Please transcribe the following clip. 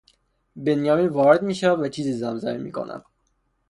بنیامین وارد میشود و چیزی زمزمه میکند